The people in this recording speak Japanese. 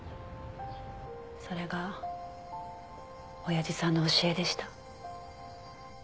それがおやじさんの教えでした。